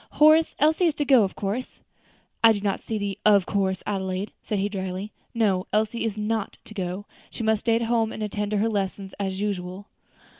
"Horace, Elsie is to go of course?" "I do not see the of course, Adelaide," said he dryly. "No; Elsie is not to go; she must stay at home and attend to her lessons as usual."